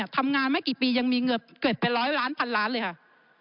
ทำงานไม่กี่ปียังมีเงินเกิดเป็นร้อยล้านพันล้านเลยค่ะ